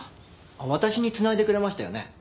私につないでくれましたよね？